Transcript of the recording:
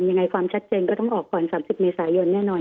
ยังไงความชัดเจนก็ต้องออกก่อน๓๐เมษายนแน่นอน